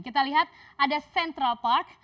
kita lihat ada central park